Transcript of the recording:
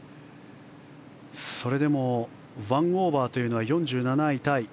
それでも１オーバーは４７位タイ。